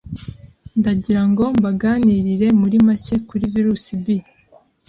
ndagira ngo mbaganirire muri make kuri Virus B